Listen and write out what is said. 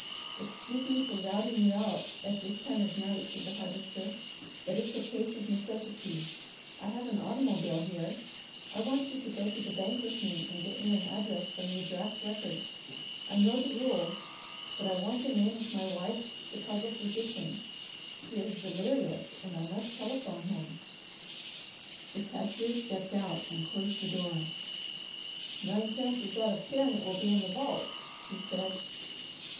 "Excuse me for routing you out at this time of night," said the Harvester, "but it's a case of necessity. I have an automobile here. I want you to go to the bank with me, and get me an address from your draft records. I know the rules, but I want the name of my wife's Chicago physician. She is delirious, and I must telephone him." The cashier stepped out and closed the door. "Nine chances out of ten it will be in the vault," he said.